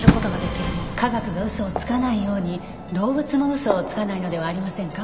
科学が嘘をつかないように動物も嘘をつかないのではありませんか？